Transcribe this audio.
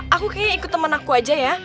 aku kayaknya ikut temen aku aja ya